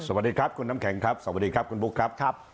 สวัสดีครับคุณน้ำแข็งครับสวัสดีครับคุณบุ๊คครับ